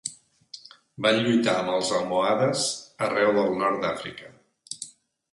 Van lluitar amb els almohades arreu del nord d'Àfrica.